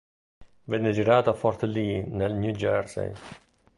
Venne girato a Fort Lee nel New Jersey.